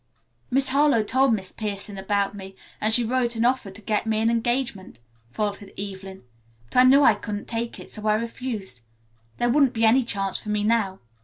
"Miss Harlowe told Miss Pierson about me, and she wrote and offered to get me an engagement," faltered Evelyn, "but I knew I couldn't take it, so I refused. There wouldn't be any chance for me now.